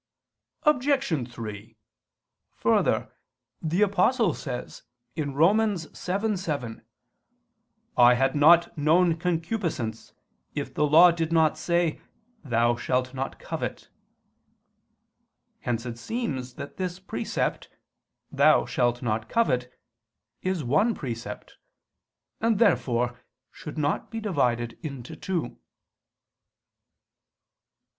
Obj. 3: Further, the Apostle says (Rom. 7:7): "I had not known concupiscence, if the Law did not say: 'Thou shalt not covet.'" Hence it seems that this precept, "Thou shalt not covet," is one precept; and, therefore, should not be divided into two.